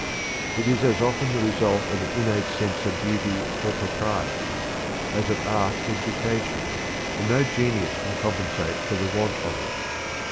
It is as often the result of an innate sense of beauty or propriety as of art education, and no genius can compensate for the want of it.